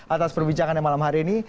atas perbicaraan yang malam hari ini